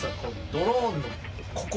ドローンのここ。